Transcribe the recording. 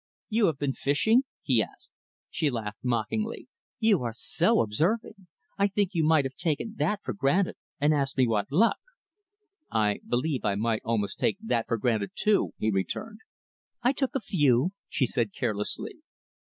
"You have been fishing?" he asked. She laughed mockingly, "You are so observing! I think you might have taken that for granted, and asked what luck." "I believe I might almost take that for granted too," he returned. "I took a few," she said carelessly.